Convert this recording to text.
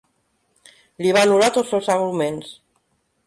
Li va anul·lar tots els arguments.